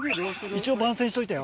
一応番宣しといたよ。